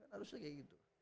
harusnya kayak gitu